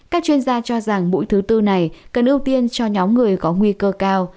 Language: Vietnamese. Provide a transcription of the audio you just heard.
các chuyên gia cho rằng mũi thứ tư này cần ưu tiên cho nhóm người có nguy cơ cao